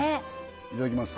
いただきます